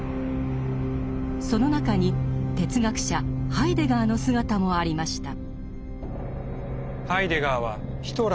その中に哲学者ハイデガーの姿もありました。